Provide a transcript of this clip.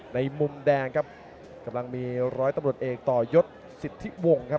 มุมแดงครับกำลังมีร้อยตำรวจเอกต่อยศสิทธิวงครับ